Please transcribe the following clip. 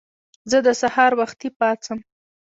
زه د سهار وختي پاڅم.